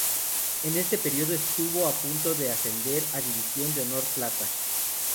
En este periodo estuvo a punto de ascender a División de Honor Plata.